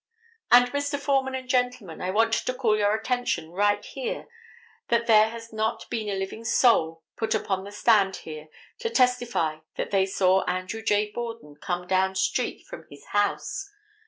"And Mr. Foreman and gentlemen, I want to call your attention right here that there has not been a living soul put upon the stand here to testify that they saw Andrew J. Borden come down street from his house.